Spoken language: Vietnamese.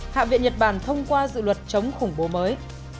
hạ viện nhật bản thông qua dự luật chống khủng bố mới